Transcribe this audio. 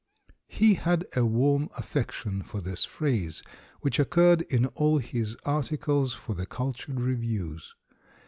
He had a warm affection for this phrase, which occurred in all his articles for the cultured reviews.